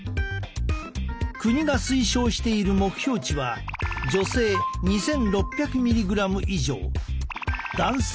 国が推奨している目標値は女性２，６００ｍｇ以上男性